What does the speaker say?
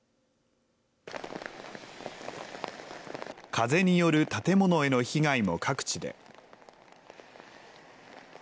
風による建物への被害も各地で。